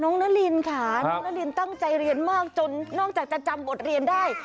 นารินค่ะน้องนารินตั้งใจเรียนมากจนนอกจากจะจำบทเรียนได้